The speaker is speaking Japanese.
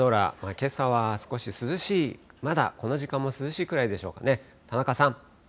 けさは少し涼しい、まだこの時間も涼しいくらいでしょうかね。